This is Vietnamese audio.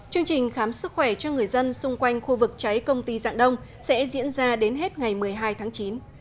chương trình khám sức khỏe cho người dân xung quanh khu vực cháy công ty dạng đông sẽ diễn ra đến hết ngày một mươi hai tháng chín